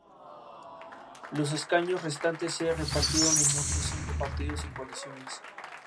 Los escaños restantes se repartieron en otros cinco partidos y coaliciones.